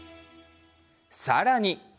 さらに。